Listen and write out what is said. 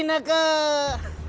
bapak saya ke sini